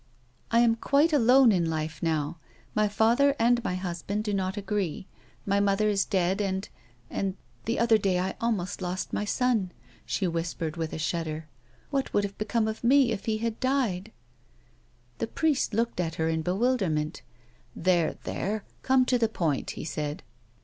" I am quite alone in life now ; my father and my husband do not agree ; my mother is dead, and — and — the other day I almost lost my son," she whispered with a shudder. " What vvoiild have become of me if he had died 1 " 166 A WOMAN'S LITE. The priest looked at her in bewilderment ;" There, there ; come to the point," he said.